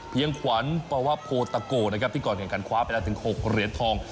เพียงขวัญปวพโภตะโกนะครับที่ก่อนกันการคว้าไปได้ถึง๖เหรียดทอง